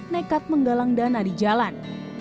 nekat menggalang dana di jalan